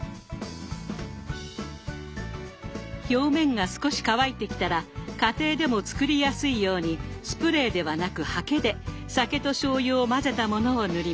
表面が少し乾いてきたら家庭でも作りやすいようにスプレーではなくハケで酒としょうゆを混ぜたものを塗ります。